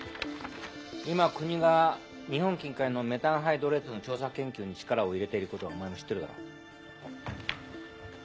今国が日本近海のメタンハイドレートの調査・研究に力を入れていることはお前も知ってるだろ。